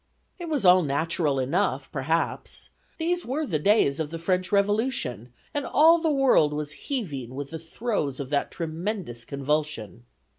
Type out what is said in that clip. It was all natural enough, perhaps. These were the days of the French Revolution, and all the world was heaving with the throes of that tremendous convulsion.